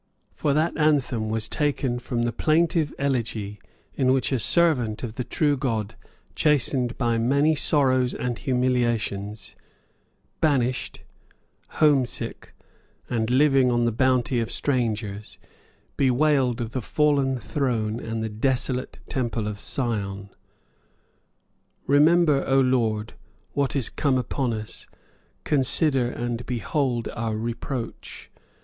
For that anthem was taken from the plaintive elegy in which a servant of the true God, chastened by many sorrows and humiliations, banished, homesick, and living on the bounty of strangers, bewailed the fallen throne and the desolate Temple of Sion: "Remember, O Lord, what is come upon us; consider and behold our reproach.